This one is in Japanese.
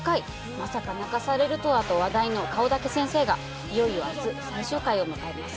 まさか泣かされるとはと話題の『顔だけ先生』がいよいよ明日最終回を迎えます。